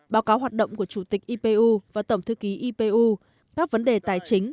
báo cáo hoạt động của chủ tịch ipu và tổng thư ký ipu các vấn đề tài chính